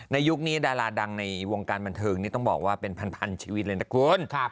ยุคนี้ดาราดังในวงการบันเทิงนี่ต้องบอกว่าเป็นพันชีวิตเลยนะคุณ